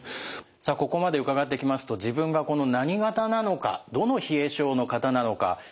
さあここまで伺ってきますと自分がこの何型なのかどの冷え症の型なのか知りたくなりますよね。